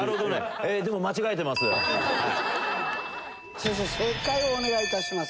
先生正解をお願いいたします。